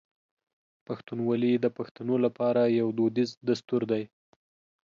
پښتونولي د پښتنو لپاره یو دودیز دستور دی.